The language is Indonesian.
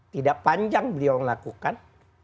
tidak panjang beliau melakukan